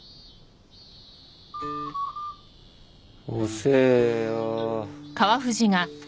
遅えよ。